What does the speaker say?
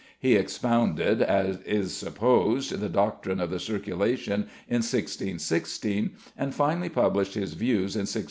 He expounded, as is supposed, the doctrine of the circulation in 1616, and finally published his views in 1628.